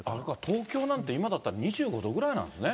東京なんて、今だったら２５度ぐらいなんですね。